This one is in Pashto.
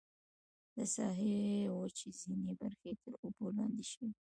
د ساحې وچې ځینې برخې تر اوبو لاندې شوې.